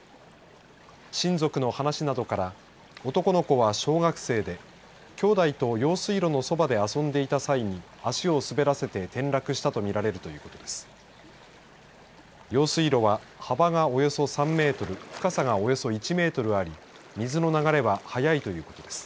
親族の話などから男の子は小学生できょうだいと用水路のそばで遊んでいた際に足を滑らせて転落したとみられるということです。